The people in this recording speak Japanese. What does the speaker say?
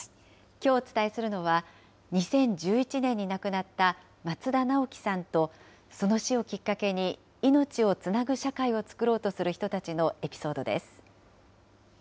きょうお伝えするのは、２０１１年に亡くなった松田直樹さんと、その死をきっかけに、命をつなぐ社会をつくろうとする人たちのエピソードです。